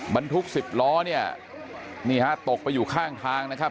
บรรทุก๑๐ล้อตกไปอยู่ข้างทางนะครับ